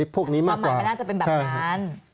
พวกนี้มากหมายไม่น่าจะเป็นแบบนั้น